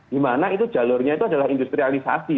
dimana itu jalurnya itu adalah industrialisasi